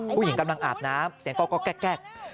ผู้หญิงกำลังอาบน้ำเสียงก็แก๊ก